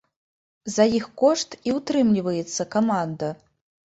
За іх кошт і ўтрымліваецца каманда.